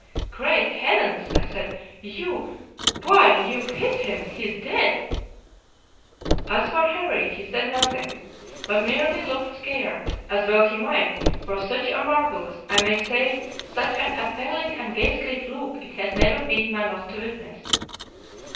"'Great Heavens!' I said, 'why, you've hit him! He's dead.' "As for Harry, he said nothing, but merely looked scared, as well he might, for such a marvellous, I may say such an appalling and ghastly fluke it has never been my lot to witness.